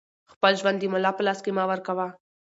خپل ژوند د ملا په لاس کې مه ورکوه